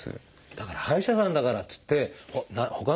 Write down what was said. だから歯医者さんだからっつってほかの病気。